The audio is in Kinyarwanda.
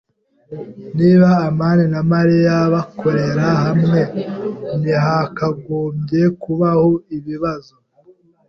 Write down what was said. Niba amani na Mariya bakorera hamwe, ntihakagombye kubaho ibibazo.